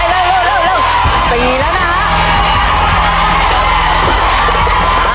๔แล้วนะฮะ